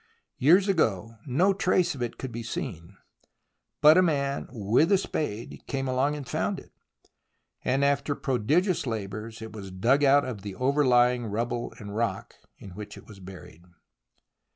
Years ago no trace of it could be seen, but a man with a spade came along and found it, and after prodigious labours it was dug out of the overlying rubble and rock in which it was buried.